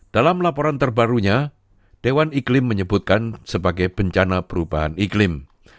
dalam laporan terbarunya dewan iklim menyebutkan sebagai bencana perubahan iklim